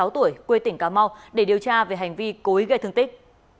hai mươi sáu tuổi quê tỉnh cà mau để điều tra về hành vi cố ý gây thương tích